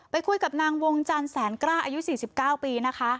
ไปคุยกับนางวงจันทร์แสนกล้าอายุ๔๙ปีนะคะ